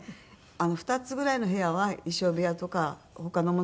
２つぐらいの部屋は衣装部屋とか他のものを置いてたので。